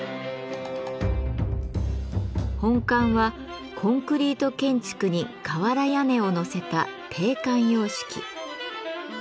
本館はコンクリート建築に瓦屋根を載せた「帝冠様式」。